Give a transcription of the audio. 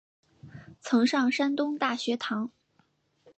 曾上山东大学堂。